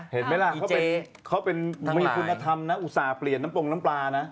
เห็นไหมล่ะเขาเป็นมีคุณธรรมนะอุตส่าห์เปลี่ยนน้ำปงน้ำปลานะ